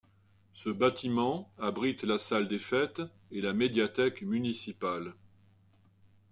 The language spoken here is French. Ce bâtiment abrite la salle des fêtes et la médiathèque municipale.